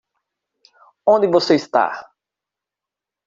Onde você está?